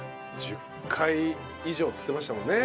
１０回以上っつってましたもんね。